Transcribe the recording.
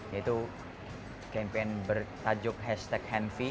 yaitu campaign bertajuk hashtag henvy